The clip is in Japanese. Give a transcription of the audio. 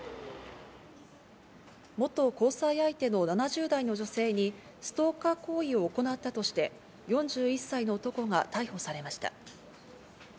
元交際相手の７０代の女性にストーカー行為を行ったとして４１歳の男が逮捕されました。